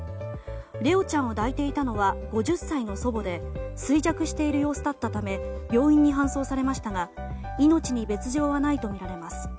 怜旺ちゃんを抱いていたのは５０歳の祖母で衰弱している様子だったため病院に搬送されましたが命に別条はないとみられます。